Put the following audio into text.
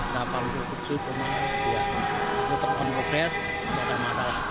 untuk pembangunan progres tidak ada masalah